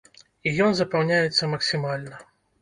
І ён запаўняецца максімальна!